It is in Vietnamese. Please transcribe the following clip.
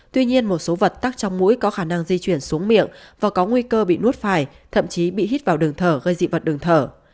tuy nhiên một số vật tắc trong mũi có khả năng di chuyển xuống miệng và có nguy cơ bị nuốt phải thậm chí bị hít vào đường thở gây dị vật đường thở